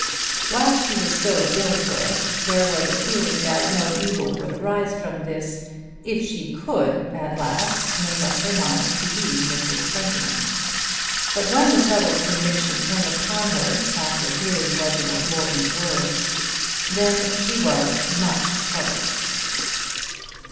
While she was still at Dillsborough there was a feeling that no evil would arise from this if she could at last make up her mind to be Mrs. Twentyman; but when the settled conviction came upon her, after hearing Reginald Morton's words, then she was much troubled.